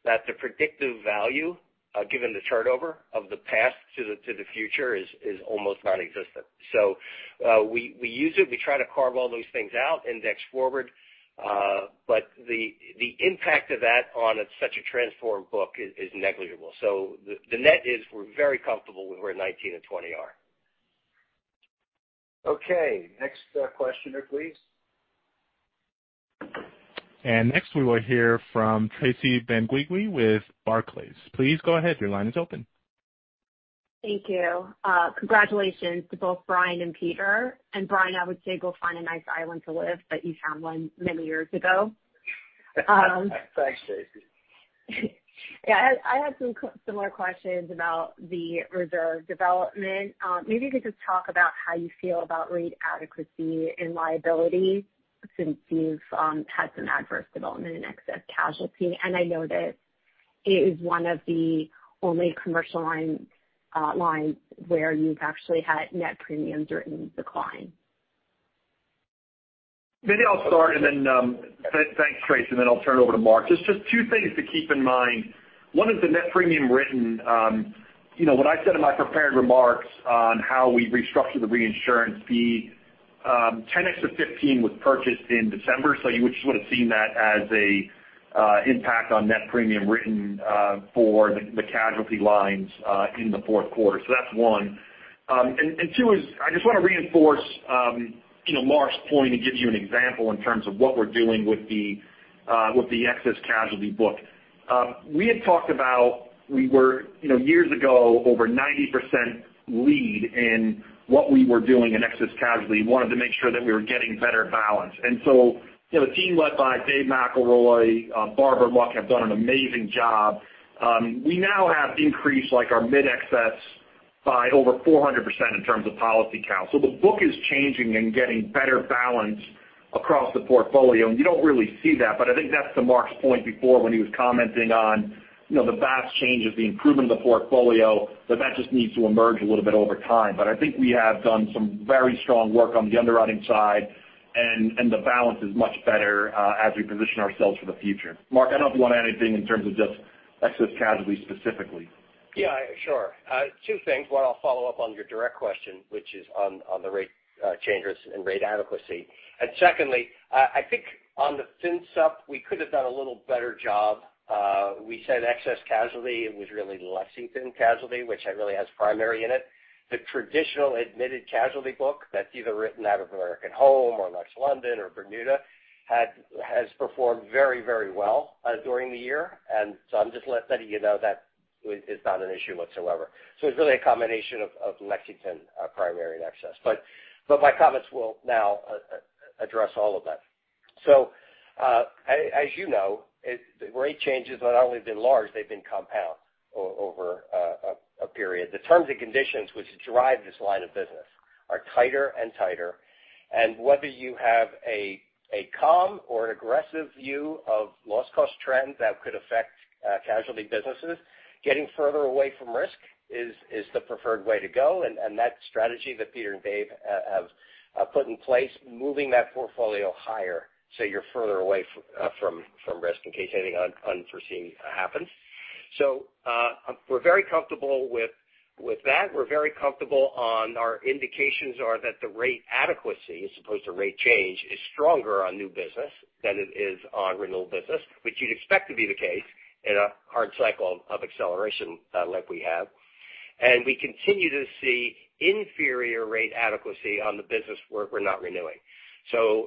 that the predictive value, given the turnover of the past to the future, is almost nonexistent. We use it, we try to carve all those things out index forward, but the impact of that on such a transformed book is negligible. The net is we're very comfortable with where 2019 and 2020 are.
Okay. Next questioner, please.
Next we will hear from Tracy Benguigui with Barclays. Please go ahead. Your line is open.
Thank you. Congratulations to both Brian and Peter. Brian, I would say go find a nice island to live, but you found one many years ago.
Thanks, Tracy.
I had some similar questions about the reserve development. Maybe you could just talk about how you feel about rate adequacy and liability since you've had some adverse development in excess casualty, and I know that it is one of the only commercial lines where you've actually had net premiums written decline?
Maybe I'll start and then, thanks, Tracy, and then I'll turn it over to Mark. There's just two things to keep in mind. One is the net premium written. What I said in my prepared remarks on how we restructured the reinsurance fee, 10x of 15 was purchased in December, so you just would've seen that as a impact on net premium written for the casualty lines in the Q4. That's one. Two is, I just want to reinforce Mark's point and give you an example in terms of what we're doing with the excess casualty book. We had talked about we were, years ago, over 90% lead in what we were doing in excess casualty, wanted to make sure that we were getting better balance. The team led by David McElroy, Barbara Luck have done an amazing job. We now have increased our mid-excess by over 400% in terms of policy count. The book is changing and getting better balance across the portfolio, and you don't really see that, but I think that's to Mark's point before when he was commenting on the vast changes, the improvement of the portfolio, that that just needs to emerge a little bit over time. I think we have done some very strong work on the underwriting side, and the balance is much better as we position ourselves for the future. Mark, I don't know if you want to add anything in terms of just excess casualty specifically.
Yeah, sure. Two things. One, I'll follow up on your direct question, which is on the rate changes and rate adequacy. Secondly, I think on the Financial Supplement, we could have done a little better job. We said excess casualty, it was really Lexington Casualty, which really has primary in it. The traditional admitted casualty book that's either written out of American Home or Lex London or Bermuda has performed very well during the year. I'm just letting you know that it's not an issue whatsoever. It's really a combination of Lexington Primary and Excess. My comments will now address all of that. As you know, the rate changes have not only been large, they've been compound over a period. The terms and conditions which drive this line of business are tighter and tighter. Whether you have a calm or an aggressive view of loss cost trends that could affect casualty businesses, getting further away from risk is the preferred way to go. That strategy that Peter and Dave have put in place, moving that portfolio higher so you're further away from risk in case anything unforeseen happens. We're very comfortable with that. We're very comfortable on our indications are that the rate adequacy, as opposed to rate change, is stronger on new business than it is on renewal business, which you'd expect to be the case in a hard cycle of acceleration like we have. We continue to see inferior rate adequacy on the business where we're not renewing.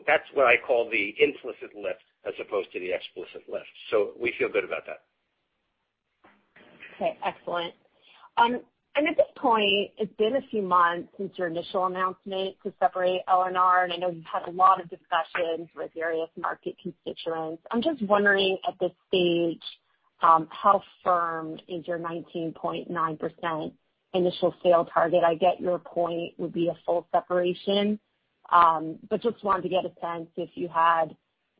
That's what I call the implicit lift as opposed to the explicit lift. We feel good about that.
Okay. Excellent. At this point, it's been a few months since your initial announcement to separate L&R, and I know you've had a lot of discussions with various market constituents. I'm just wondering at this stage, how firmed is your 19.9% initial sale target? I get your point would be a full separation, but just wanted to get a sense if you had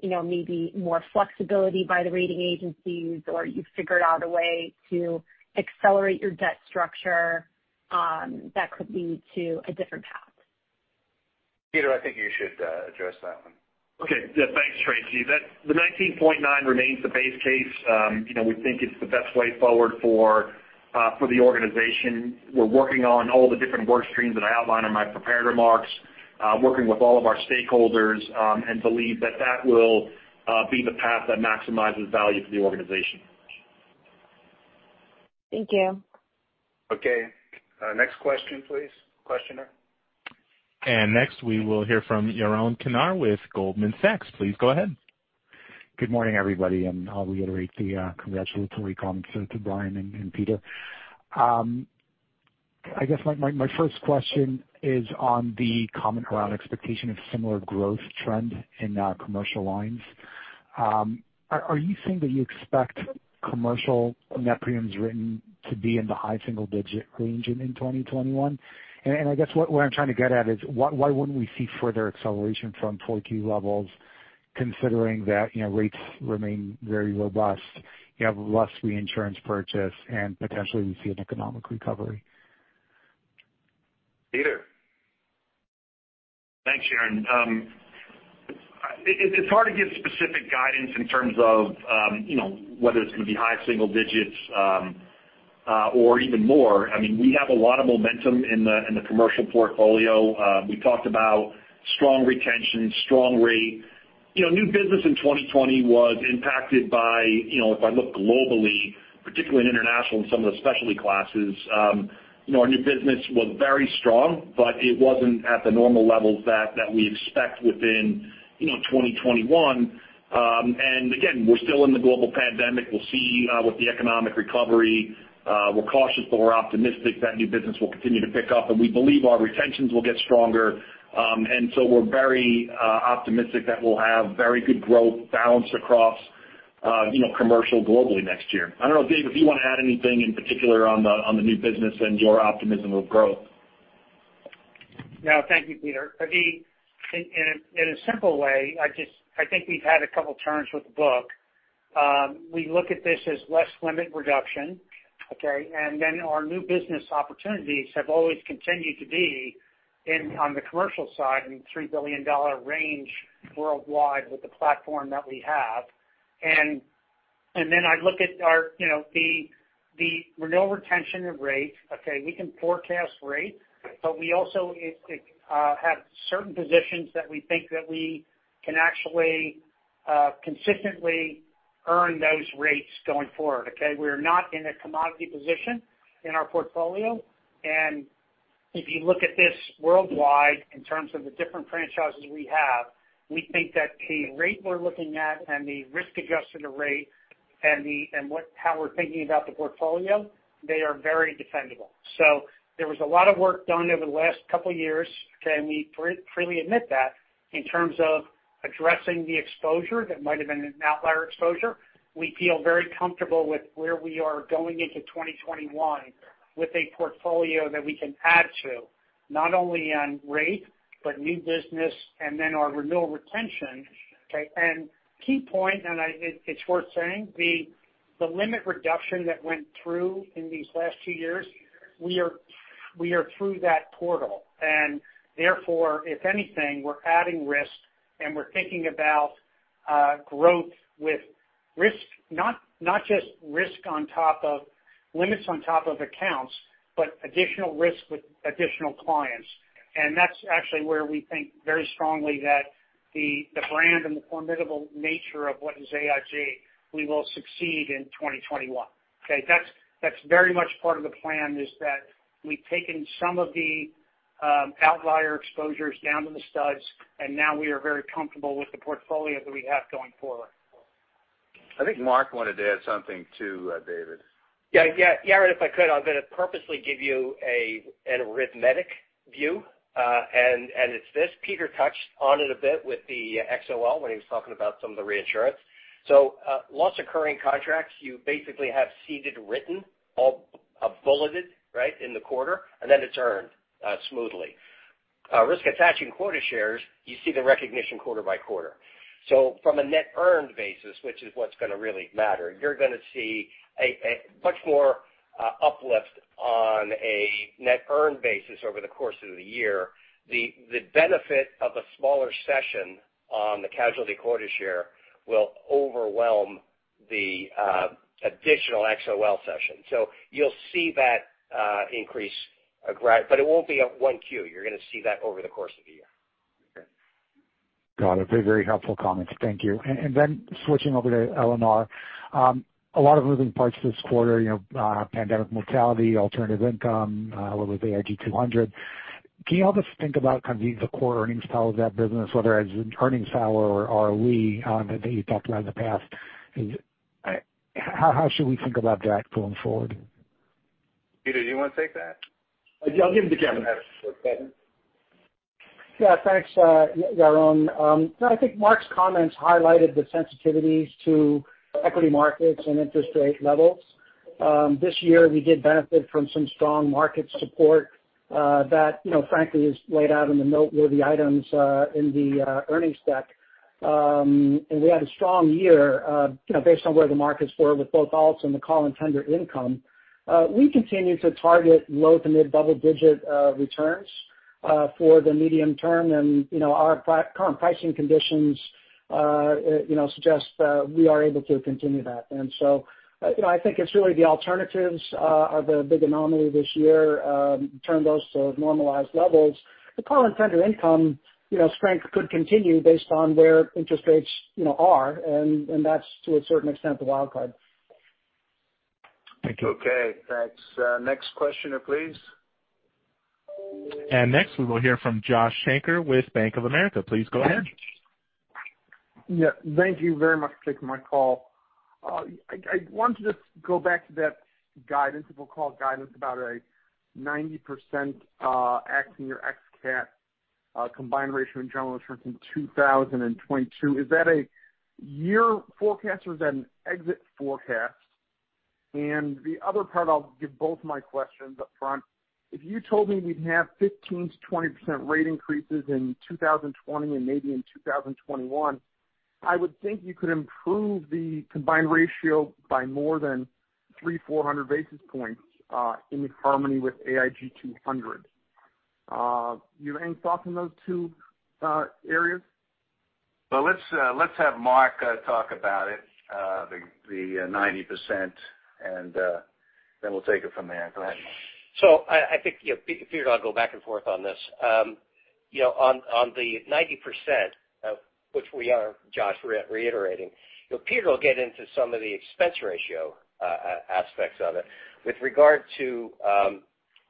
maybe more flexibility by the rating agencies or you figured out a way to accelerate your debt structure that could lead to a different path.
Peter, I think you should address that one.
Okay. Yeah. Thanks, Tracy. The 19.9 remains the base case. We think it's the best way forward for the organization. We're working on all the different work streams that I outlined in my prepared remarks, working with all of our stakeholders, and believe that that will be the path that maximizes value for the organization.
Thank you.
Okay. Next question, please. Questioner.
Next we will hear from Yaron Kinar with Goldman Sachs. Please go ahead.
Good morning, everybody, and I'll reiterate the congratulatory comments to Brian and Peter. I guess my first question is on the comment around expectation of similar growth trend in commercial lines. Are you saying that you expect commercial net premiums written to be in the high single-digit range in 2021? I guess what I'm trying to get at is why wouldn't we see further acceleration from 4Q levels, considering that rates remain very robust, you have less reinsurance purchase, and potentially we see an economic recovery?
Peter?
Thanks, Yaron. It's hard to give specific guidance in terms of whether it's going to be high single digits or even more. We have a lot of momentum in the commercial portfolio. We talked about strong retention, strong rate. New business in 2020 was impacted by, if I look globally, particularly in international and some of the specialty classes, our new business was very strong, but it wasn't at the normal levels that we expect within 2021. Again, we're still in the global pandemic. We'll see with the economic recovery. We're cautious, but we're optimistic that new business will continue to pick up, and we believe our retentions will get stronger. We're very optimistic that we'll have very good growth balanced across commercial globally next year. I don't know, Dave, if you want to add anything in particular on the new business and your optimism of growth.
No, thank you, Peter. In a simple way, I think we've had a couple of turns with the book. We look at this as less limit reduction, okay? Our new business opportunities have always continued to be on the commercial side in $3 billion range worldwide with the platform that we have. I look at the renewal retention of rate. We can forecast rate, but we also have certain positions that we think that we can actually consistently earn those rates going forward. We're not in a commodity position in our portfolio. If you look at this worldwide in terms of the different franchises we have, we think that the rate we're looking at and the risk-adjusted rate and how we're thinking about the portfolio, they are very defendable. There was a lot of work done over the last two years, and we freely admit that, in terms of addressing the exposure that might have been an outlier exposure. We feel very comfortable with where we are going into 2021 with a portfolio that we can add to, not only on rate, but new business and then our renewal retention. Key point, and it's worth saying, the limit reduction that went through in these last two years, we are through that portal. Therefore, if anything, we're adding risk, and we're thinking about growth with not just limits on top of accounts, but additional risk with additional clients. That's actually where we think very strongly that the brand and the formidable nature of what is AIG, we will succeed in 2021. That's very much part of the plan is that we've taken some of the outlier exposures down to the studs, and now we are very comfortable with the portfolio that we have going forward.
I think Mark wanted to add something too, David.
Yeah, Yaron, if I could, I am going to purposely give you an arithmetic view, and it is this. Peter touched on it a bit with the XOL when he was talking about some of the reinsurance. Loss occurring contracts, you basically have ceded written, all bulleted in the quarter, and then it is earned smoothly. Risk attaching quota shares, you see the recognition quarter-by-quarter. From a net earned basis, which is what is going to really matter, you are going to see much more uplift on a net earned basis over the course of the year. The benefit of a smaller cession on the casualty quota share will overwhelm the additional XOL cession. You will see that increase, but it will not be at one Q. You are going to see that over the course of a year.
Got it. Very helpful comments. Thank you. Switching over to L&R. A lot of moving parts this quarter, pandemic mortality, alternative income, what with AIG 200. Can you help us think about kind of the core earnings power of that business, whether as earnings power or ROE that you've talked about in the past? How should we think about that going forward?
Peter, do you want to take that?
I'll give it to Kevin.
Thanks, Yaron. I think Mark's comments highlighted the sensitivities to equity markets and interest rate levels. This year, we did benefit from some strong market support that frankly is laid out in the noteworthy items in the earnings deck. We had a strong year based on where the markets were with both Alts and the call and tender income. We continue to target low to mid double-digit returns for the medium term, and our current pricing conditions suggest we are able to continue that. I think it's really the alternatives are the big anomaly this year. Turn those to normalized levels. The call and tender income strength could continue based on where interest rates are, and that's, to a certain extent, the wild card.
Thank you.
Okay, thanks. Next questioner, please.
Next we will hear from Joshua Shanker with Bank of America. Please go ahead.
Yeah. Thank you very much for taking my call. I wanted to just go back to that guidance, what we'll call guidance, about a 90% AYCR in your ex-CAT combined ratio in general insurance in 2022. Is that a year forecast or is that an exit forecast? The other part, I'll give both my questions up front. If you told me we'd have 15%-20% rate increases in 2020 and maybe in 2021, I would think you could improve the combined ratio by more than 300-400 basis points in harmony with AIG 200. You have any thoughts on those two areas?
Well, let's have Mark talk about it, the 90%, and then we'll take it from there. Go ahead, Mark.
I think, Peter and I'll go back and forth on this. On the 90%, which we are, Josh, reiterating, Peter will get into some of the expense ratio aspects of it. With regard to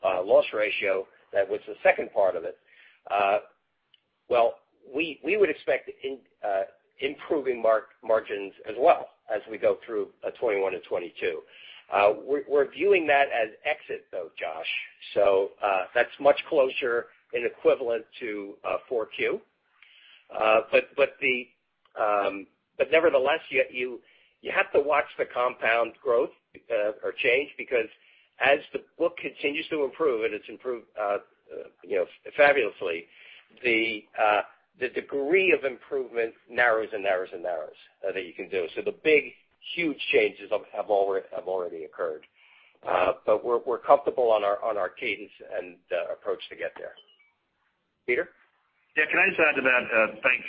loss ratio, that was the second part of it, well, we would expect improving margins as well as we go through 2021 and 2022. We're viewing that as exit, though, Josh. That's much closer and equivalent to 4Q. Nevertheless, you have to watch the compound growth or change because as the book continues to improve, and it's improved fabulously, the degree of improvement narrows that you can do. The big, huge changes have already occurred. We're comfortable on our cadence and approach to get there. Peter?
Yeah. Can I just add to that? Thanks,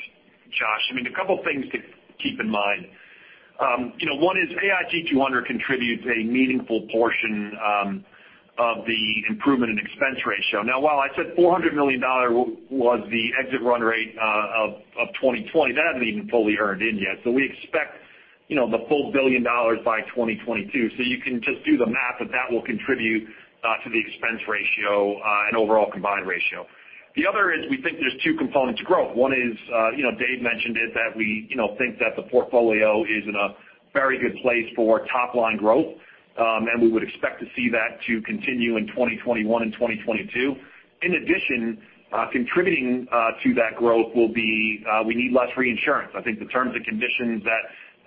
Josh. A couple of things to keep in mind. One is AIG 200 contributes a meaningful portion of the improvement in expense ratio. Now, while I said $400 million was the exit run rate of 2020, that hasn't even fully earned in yet. We expect the full billion dollars by 2022. You can just do the math that that will contribute to the expense ratio and overall combined ratio. The other is we think there's two components to growth. One is, Dave mentioned it, that we think that the portfolio is in a very good place for top-line growth, and we would expect to see that to continue in 2021 and 2022. In addition, contributing to that growth will be we need less reinsurance. I think the terms and conditions that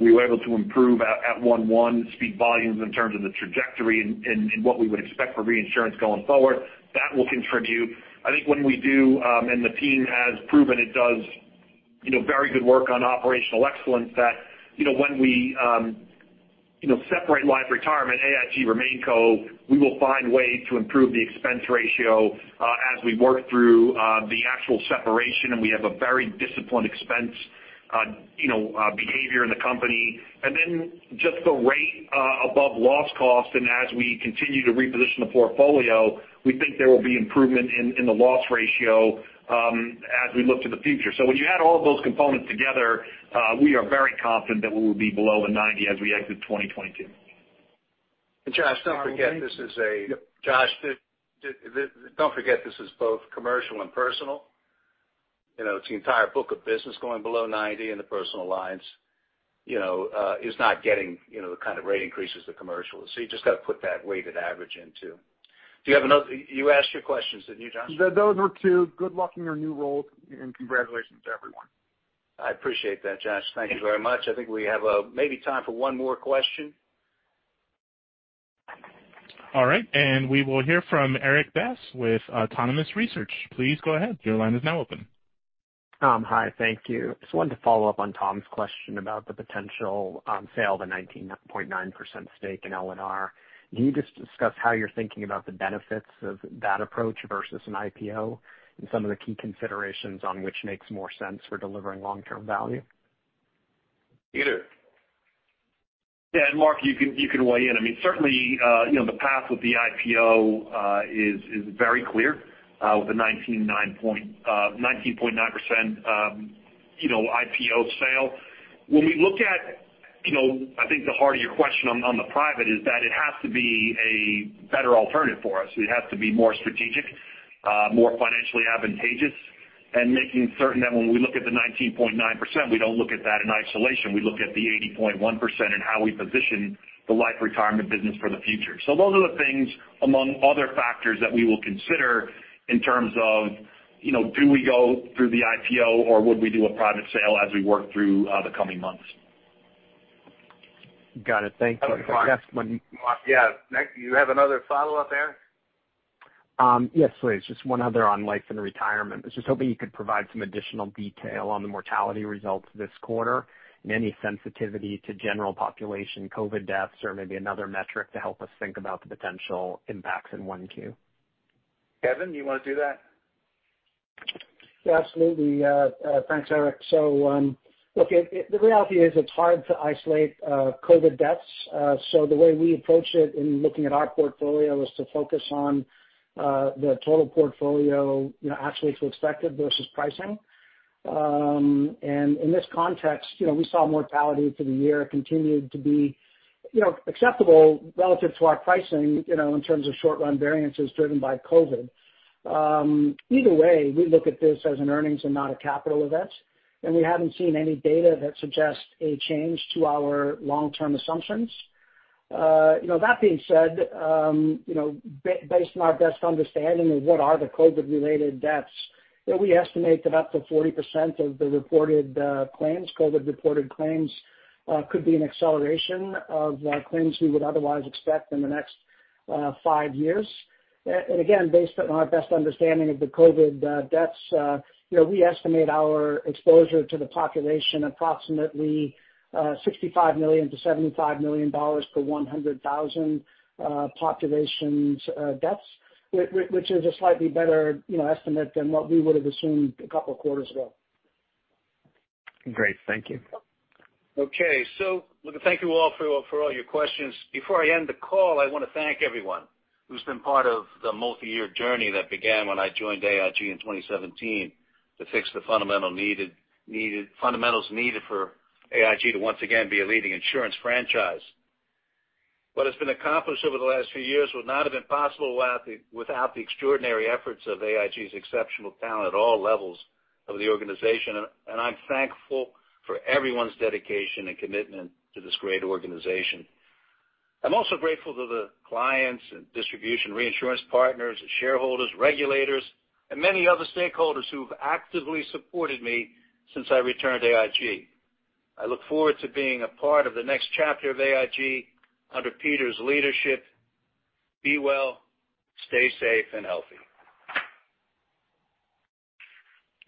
we were able to improve at 1/1 speak volumes in terms of the trajectory and what we would expect for reinsurance going forward. That will contribute. I think when we do, and the team has proven it does very good work on operational excellence, that when we separate Life & Retirement, AIG RemainCo, we will find ways to improve the expense ratio as we work through the actual separation, and we have a very disciplined expense behavior in the company. just the rate above loss cost, and as we continue to reposition the portfolio, we think there will be improvement in the loss ratio as we look to the future. When you add all of those components together, we are very confident that we will be below the 90 as we exit 2022.
Josh, don't forget this is both commercial and personal. It's the entire book of business going below 90, and the personal lines is not getting the kind of rate increases the commercial is. You just got to put that weighted average in, too. You asked your questions, didn't you, Josh?
Those were two. Good luck in your new role, and congratulations to everyone.
I appreciate that, Josh. Thank you very much. I think we have maybe time for one more question.
All right. We will hear from Erik Bass with Autonomous Research. Please go ahead. Your line is now open.
Hi, thank you. Just wanted to follow up on Tom's question about the potential sale of the 19.9% stake in L&R. Can you just discuss how you're thinking about the benefits of that approach versus an IPO and some of the key considerations on which makes more sense for delivering long-term value?
Peter?
Yeah. Mark, you can weigh in. Certainly, the path with the IPO is very clear with the 19.9% IPO sale. When we look at, I think the heart of your question on the private is that it has to be a better alternative for us. It has to be more strategic, more financially advantageous, and making certain that when we look at the 19.9%, we don't look at that in isolation. We look at the 80.1% and how we position the Life Retirement business for the future. Those are the things, among other factors, that we will consider in terms of do we go through the IPO or would we do a private sale as we work through the coming months.
Got it. Thank you.
Yeah. You have another follow-up, Erik?
Yes, please. Just one other on Life & Retirement. I was just hoping you could provide some additional detail on the mortality results this quarter and any sensitivity to general population COVID deaths or maybe another metric to help us think about the potential impacts in 1Q?
Kevin, do you want to do that?
Yeah, absolutely. Thanks, Eric. Look, the reality is it's hard to isolate COVID deaths. The way we approach it in looking at our portfolio is to focus on the total portfolio, actual to expected versus pricing. In this context, we saw mortality for the year continued to be acceptable relative to our pricing in terms of short-run variances driven by COVID. Either way, we look at this as an earnings and not a capital event, and we haven't seen any data that suggests a change to our long-term assumptions. That being said, based on our best understanding of what are the COVID-related deaths, we estimate that up to 40% of the reported claims, COVID-reported claims, could be an acceleration of claims we would otherwise expect in the next five years. again, based on our best understanding of the COVID deaths, we estimate our exposure to the population approximately $65 million to $75 million per 100,000 populations deaths, which is a slightly better estimate than what we would have assumed a couple of quarters ago.
Great. Thank you.
Okay. look, thank you all for all your questions. Before I end the call, I want to thank everyone who's been part of the multi-year journey that began when I joined AIG in 2017 to fix the fundamentals needed for AIG to once again be a leading insurance franchise. What has been accomplished over the last few years would not have been possible without the extraordinary efforts of AIG's exceptional talent at all levels of the organization, and I'm thankful for everyone's dedication and commitment to this great organization. I'm also grateful to the clients and distribution reinsurance partners, shareholders, regulators, and many other stakeholders who've actively supported me since I returned to AIG. I look forward to being a part of the next chapter of AIG under Peter's leadership. Be well, stay safe and healthy.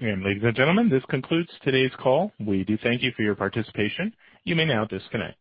Ladies and gentlemen, this concludes today's call. We do thank you for your participation. You may now disconnect.